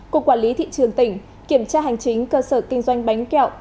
cục quản lý thị trường tỉnh kiểm tra hành chính cơ sở kinh doanh bánh kẹo